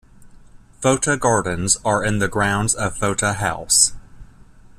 Fota Gardens are in the grounds of Fota House.